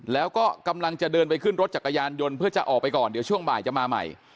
แล้วก็กำลังจะเดินไปขึ้นรถจักรยานยนต์เพื่อจะออกไปก่อนเดี๋ยวช่วงบ่ายจะมาใหม่